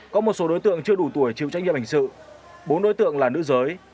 có một số đối tượng chưa đủ tuổi chịu trách nhiệm hình sự bốn đối tượng là nữ giới